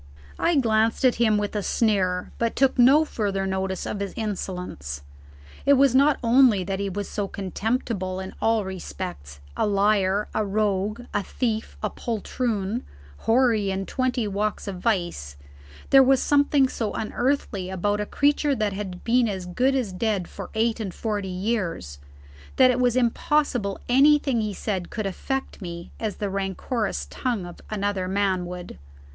I glanced at him with a sneer, but took no further notice of his insolence. It was not only that he was so contemptible in all respects, a liar, a rogue, a thief, a poltroon, hoary in twenty walks of vice, there was something so unearthly about a creature that had been as good as dead for eight and forty years, that it was impossible anything he said could affect me as the rancorous tongue of another man would.